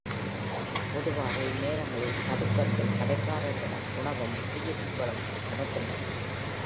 பொதுவாக இந்நேரங்களில் சதுக்கத்தில் கடைக்காரர்களிடம் உணவும் குடிப்புகளும் கிடைக்கின்றன.